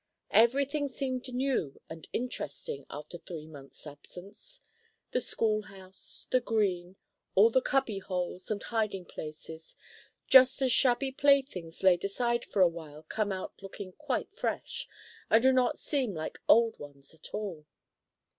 Every thing seemed new and interesting after three months' absence, the schoolhouse, the Green, all the cubby holes and hiding places, just as shabby playthings laid aside for a while come out looking quite fresh, and do not seem like old ones at all.